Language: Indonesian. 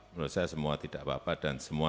menurut saya semua tidak apa apa dan semua